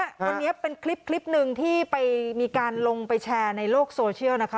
วันนี้เป็นคลิปหนึ่งที่ไปมีการลงไปแชร์ในโลกโซเชียลนะคะ